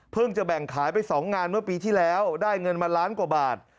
จะแบ่งขายไป๒งานเมื่อปีที่แล้วได้เงินมาล้านกว่าบาท